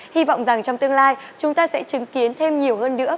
hy vọng rằng trong tương lai chúng ta sẽ chứng kiến thêm nhiều hơn nữa